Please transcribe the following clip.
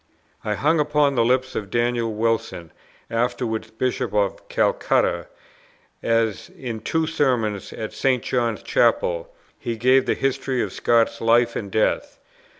I hung upon the lips of Daniel Wilson, afterwards Bishop of Calcutta, as in two sermons at St. John's Chapel he gave the history of Scott's life and death.